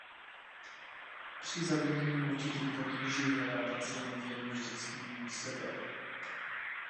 Při zavinění určitých potíží hledá pacient vinu vždycky mimo sebe.